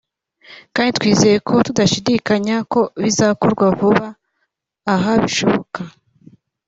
kandi twizeye tudashidikanya ko bizakorwa vuba aha bishoboka